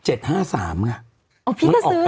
พี่จะซื้อเหรอคะ๕๘๓มันออก๘๒๓